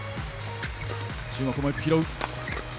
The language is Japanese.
中国もよく拾う。